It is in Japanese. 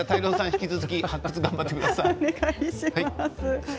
引き続き発掘、頑張ってください。